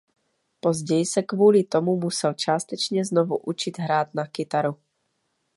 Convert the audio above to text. Později se kvůli tomu musel částečně znovu učit hrát na kytaru.